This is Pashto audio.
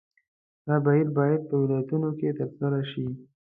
دا بهیر باید په ولایتونو کې ترسره شي.